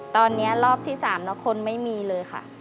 ตอนนี้รอบที่๓แล้วคนไม่มีเลยค่ะ